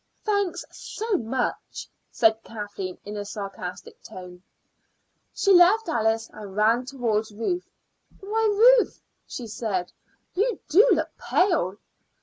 "Thanks so much!" said Kathleen in a sarcastic tone. She left Alice and ran towards Ruth. "Why, Ruth," she said, "you do look pale."